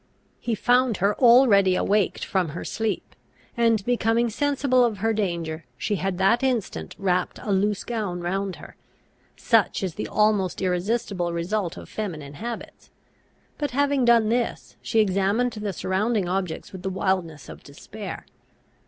He found her already awaked from her sleep; and, becoming sensible of her danger, she had that instant wrapped a loose gown round her. Such is the almost irresistible result of feminine habits; but, having done this, she examined the surrounding objects with the wildness of despair.